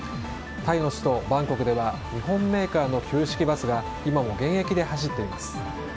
タイの首都バンコクでは日本メーカーの旧式バスが今も現役で走っています。